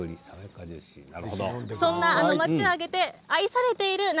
そんな町を挙げて愛されている夏